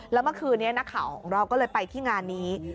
แล้วเมื่อคืนนี้นักข่าวของเราก็เลยไปที่งานนี้